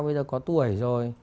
bây giờ có tuổi rồi